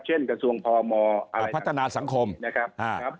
เช่นกระทรวงพมอะไรพัฒนาสังคมนะครับอ่าครับ